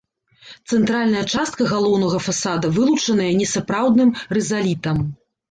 Цэнтральная частка галоўнага фасада вылучаная несапраўдным рызалітам.